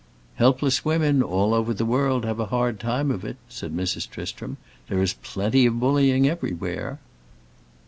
"Helpless women, all over the world, have a hard time of it," said Mrs. Tristram. "There is plenty of bullying everywhere."